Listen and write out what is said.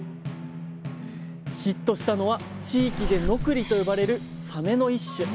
ヒットしたのは地域でノクリと呼ばれるサメの一種。